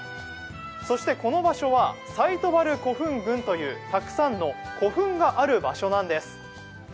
この場所は西都原古墳群というたくさんの古墳がある場所なんです。